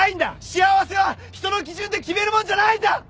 幸せは人の基準で決めるもんじゃないんだ！